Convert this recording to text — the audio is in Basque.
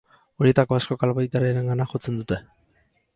Horietako askok albaitariarengana jotzen dute.